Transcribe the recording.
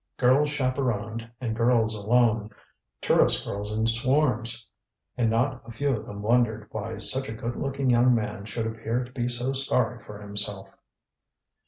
Girls chaperoned and girls alone tourist girls in swarms. And not a few of them wondered why such a good looking young man should appear to be so sorry for himself.